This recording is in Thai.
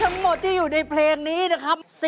ทั้งหมดที่อยู่ในเพลงนี้นะครับ